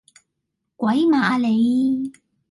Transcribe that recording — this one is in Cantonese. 鬼馬呀你！